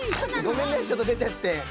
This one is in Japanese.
ごめんねちょっとでちゃって。